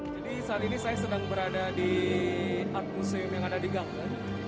jadi saat ini saya sedang berada di art museum yang ada di gangneung